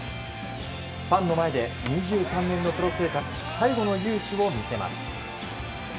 ファンの前で２３年のプロ生活最後の勇姿を見せます。